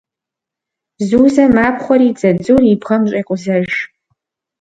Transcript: Зузэ мапхъуэри дзадзур и бгъэм щӏекъузэж.